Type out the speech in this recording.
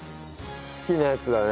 好きなやつだね。